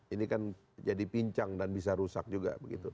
ini kan jadi pincang dan bisa rusak juga begitu